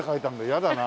嫌だな。